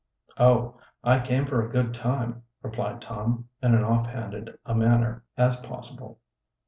"Oh, I came for a good time," replied Tom, in an off handed a manner as possible.